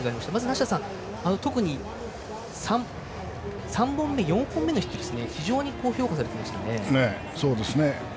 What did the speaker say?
梨田さん、特に３本目４本目のヒット非常に評価されていましたね。